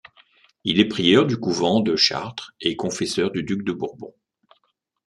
Il est prieur du couvent de Chartres et confesseur du duc de Bourbon.